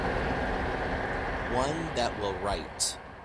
One that will write.